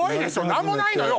何もないのよ